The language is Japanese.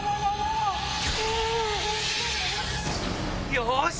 よし！